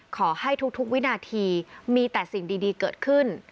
ขอให้ทุกวินาทีมีแต่สิ่งดีเกิดขึ้น